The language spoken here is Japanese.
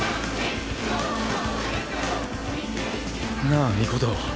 なあ尊。